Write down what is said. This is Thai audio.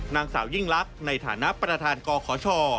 นางสาวยิ่งลักษณ์ในฐานะประธานกขช